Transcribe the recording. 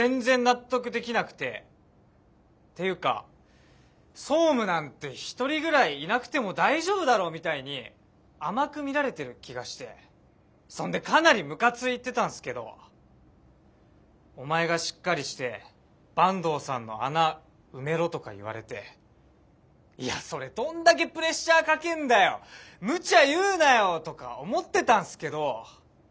ていうか総務なんて１人ぐらいいなくても大丈夫だろうみたいに甘く見られてる気がしてそんでかなりムカついてたんすけどお前がしっかりして坂東さんの穴埋めろとか言われていやそれどんだけプレッシャーかけんだよむちゃ言うなよとか思ってたんすけど。